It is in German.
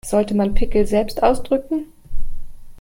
Sollte man Pickel selbst ausdrücken?